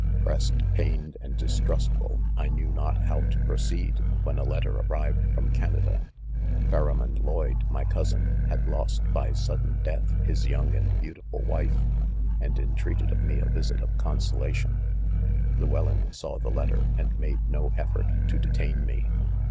■ Pressed, pained and dis trustful, L knew not how^ to: proceed, when a letter arrived from Canada:; Pharaniond Lloyde, my. cousin, had lost by sudden death, his young* and beautiful wife,, and entreatejjlof me a visit of consolation's Llewellyn saw the; letter and made no effort to detain me f.